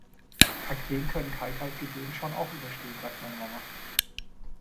Kakteen können kalkhaltige Böden schon auch überstehen, sagt meine Mama.